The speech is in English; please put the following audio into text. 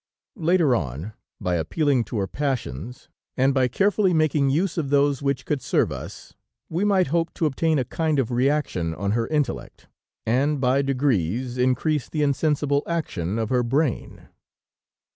Later on, by appealing to her passions, and by carefully making use of those which could serve us, we might hope to obtain a kind of reaction on her intellect, and by degrees increase the insensible action of her brain.